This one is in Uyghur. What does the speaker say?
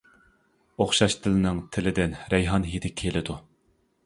ئوخشاش دىلنىڭ تىلىدىن رەيھان ھىدى كېلىدۇ.